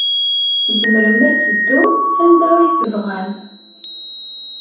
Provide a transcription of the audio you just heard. Tzemrem ad teddum sanda ay tebɣam.